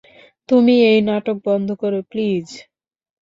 তুমি এই নাটক বন্ধ করো প্লিজ!